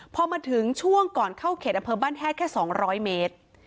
พอมาถึงช่วงก่อนเข้าเข็ดอันเพิร์นบ้านแท่แค่๒๐๐เมตร